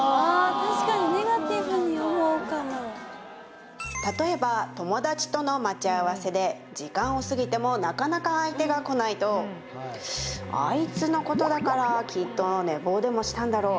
たしかに例えば友達との待ち合わせで時間をすぎてもなかなか相手が来ないとあいつのことだからきっと寝坊でもしたんだろう